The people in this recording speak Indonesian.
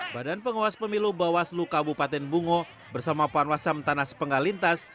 badan penguas pemilu bawaslu kabupaten bungo bersama puan wasam tanah sepenggalintas